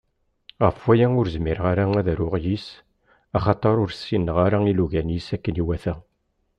Γef waya ur zmireɣ ara ad aruɣ yis-s, axater ur ssineɣ ara ilugan-is akken iwata.